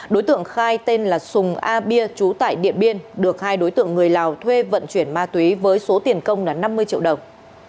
đối tượng khai tên là sùng a bia trú tại điện biên được hai đối tượng người lào thuê vận chuyển ma túy với số tiền công là năm mươi triệu đồng